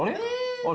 あれ？